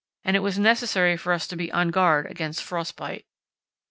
and it was necessary for us to be on guard against frost bite.